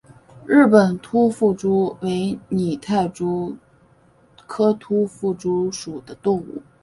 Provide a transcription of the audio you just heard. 日本突腹蛛为拟态蛛科突腹蛛属的动物。